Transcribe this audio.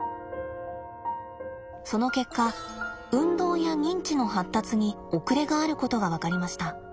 その結果運動や認知の発達に遅れがあることが分かりました。